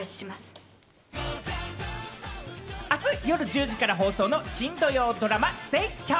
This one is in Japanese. あす夜１０時から放送の新土曜ドラマ、『ゼイチョー』。